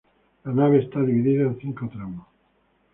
La nave está dividida en cinco tramos.